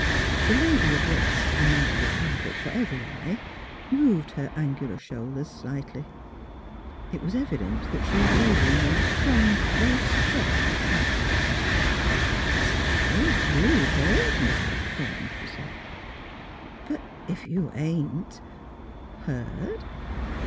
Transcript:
" The lady addressed, now the target for every eye, moved her angular shoulders slightly. It was evident that she was labouring under strong though suppressed excitement. " I s 'posed 3^ou'd heard. Mis' Buckthorn," she said. " But if you ain't " "Heard?